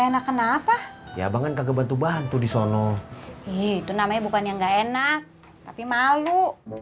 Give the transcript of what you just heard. enak kenapa ya abang enggak kebantu bantu di sono itu namanya bukan yang enak tapi malu